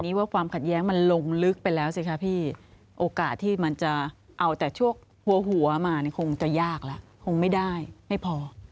ว่าความขัดแย้งมันลงลึกไปแล้วสิคะพี่โอกาสที่มันจะเอาแต่ช่วงหัวหัวมาเนี่ยคงจะยากแล้วคงไม่ได้ไม่พอ